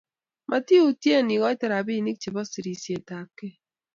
matiyutyen ikoite robinik chebo serisietab gei